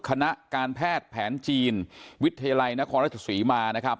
คณะการแพทย์แผนจีนวิทยาลัยนครราชศรีมานะครับ